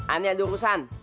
aneh ada urusan